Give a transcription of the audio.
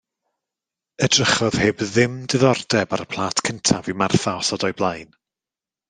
Edrychodd heb ddim diddordeb ar y plât cyntaf i Martha osod o'i blaen.